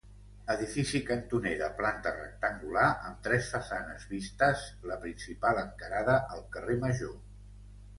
Edifici cantoner de planta rectangular amb tres façanes vistes, la principal encarada al carrer Major.